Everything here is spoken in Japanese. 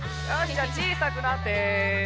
じゃあちいさくなって。